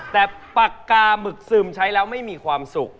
แต่ปากกาหมึกซึมใช้แล้วไม่มีความสุข